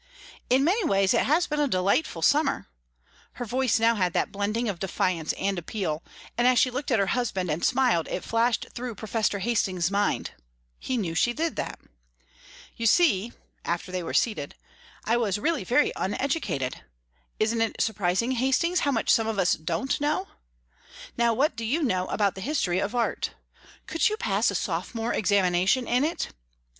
"In many ways it has been a delightful summer," her voice now had that blending of defiance and appeal, and as she looked at her husband and smiled it flashed through Professor Hastings' mind "He knew she did that!" "You see," after they were seated "I was really very uneducated. Isn't it surprising, Hastings, how much some of us don't know? Now what do you know about the history of art? Could you pass a sophomore examination in it?